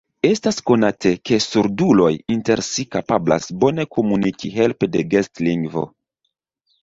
Estas konate, ke surduloj inter si kapablas bone komuniki helpe de gestlingvo.